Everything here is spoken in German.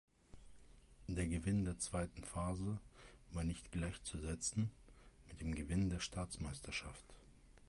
Der Gewinn der zweiten Phase war nicht gleichzusetzen mit dem Gewinn der Staatsmeisterschaft.